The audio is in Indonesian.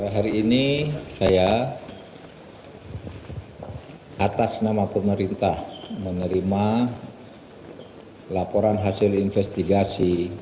hari ini saya atas nama pemerintah menerima laporan hasil investigasi